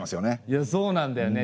いやそうなんだよね